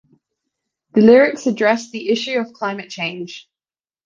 The lyrics address the issue of climate change.